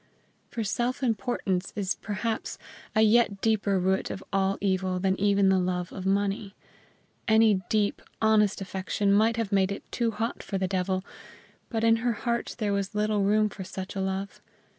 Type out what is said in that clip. For self importance is perhaps a yet deeper root of all evil than even the love of money. Any deep, honest affection might have made it too hot for the devil, but in her heart there was little room for such a love.